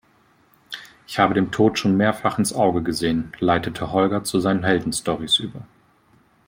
Ich habe dem Tod schon mehrfach ins Auge gesehen, leitete Holger zu seinen Heldenstorys über.